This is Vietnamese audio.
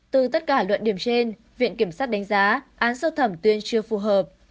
từ tất cả luận điểm trên viện kiểm sát đánh giá án sơ thẩm tuyên chưa phù hợp